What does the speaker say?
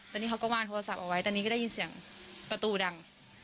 ตอนนี้เขาก็ว่านโทรศัพท์เอาไว้ตอนนี้ก็ได้ยินเสียงประตูดัง